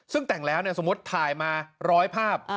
ซึ่งแต่งแล้วสมมุติถ่ายมาร้อยภาพ